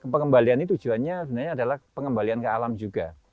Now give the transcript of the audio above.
pengembalian itu tujuannya sebenarnya adalah pengembalian ke alam juga